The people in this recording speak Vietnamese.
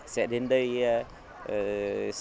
sẽ đến đây chụp ảnh